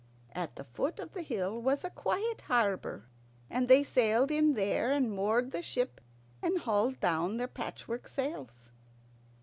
At the foot of the hill was a quiet harbour, and they sailed in there and moored the ship and hauled down their patchwork sails.